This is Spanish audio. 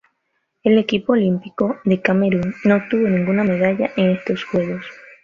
El equipo olímpico de Camerún no obtuvo ninguna medalla en estos Juegos.